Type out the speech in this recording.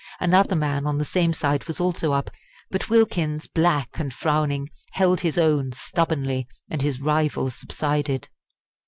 Another man on the same side was also up, but Wilkins, black and frowning, held his own stubbornly, and his rival subsided.